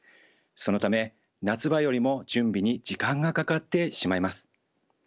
そのため夏場よりも準備に時間がかかってしまいます。